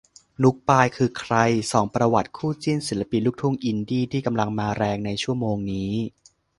นุ๊กปาย คือใคร ส่องประวัติคู่จิ้น ศิลปินลูกทุ่งอินดี้ที่กำลังมาแรงในชั่วโมงนี้